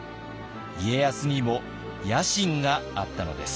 家康にも野心があったのです。